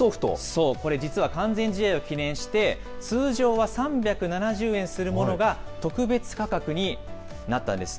そう、これ実は、完全試合を記念して、通常は３７０円するものが、特別価格になったんです。